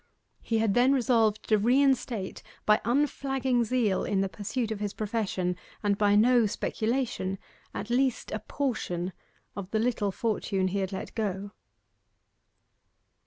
He had then resolved to reinstate by unflagging zeal in the pursuit of his profession, and by no speculation, at least a portion of the little fortune he had let go.